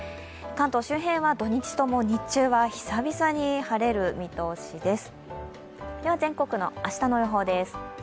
関東周辺は土日とも日中は久々に晴れる見通しです。